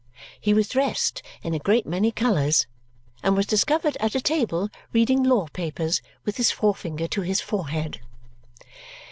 He was dressed in a great many colours and was discovered at a table reading law papers with his forefinger to his forehead.